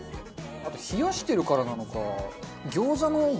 あと冷やしてるからなのか餃子の具